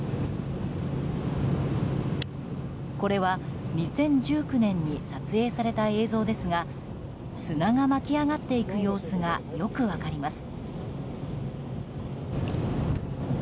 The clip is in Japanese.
これは２０１９年に撮影された映像ですが砂が巻き上がっていく様子がよく分かります。